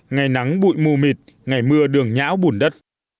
ngày nắng bụi mù mịt ngày mưa đường nhão bùn đất